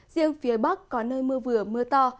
riêng phía bắc có nơi mưa vừa mưa to